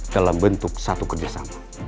dalam bentuk satu kerjasama